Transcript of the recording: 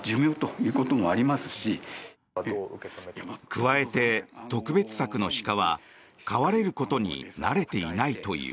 加えて、特別柵の鹿は飼われることに慣れていないという。